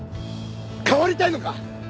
変わりたいのか？